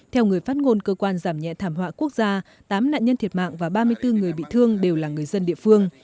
theo người phát ngôn cơ quan giảm nhẹ thảm họa quốc gia tám nạn nhân thiệt mạng và ba mươi bốn người bị thương đều là người dân địa phương